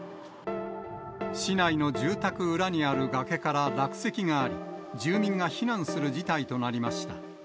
市内の住宅裏にある崖から落石があり、住民が避難する事態となりました。